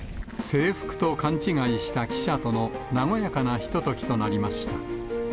制服と勘違いした記者との和やかなひとときとなりました。